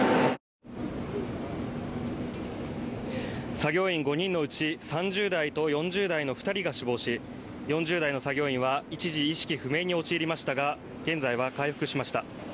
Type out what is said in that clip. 作業員５人のうち、３０代と４０代の２人が死亡し、４０代の作業員は一時、意識不明に陥りましたが現在は回復しました。